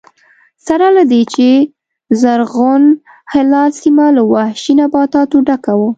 سره له دې چې زرغون هلال سیمه له وحشي نباتاتو ډکه وه